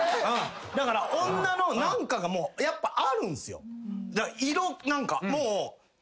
だから女の何かがもうやっぱあるんすよ。